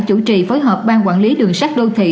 chủ trì phối hợp ban quản lý đường sắt đô thị